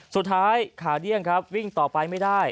สุดท้ายขาเดี้ยงครับวิ่งต่อไปไม่ได้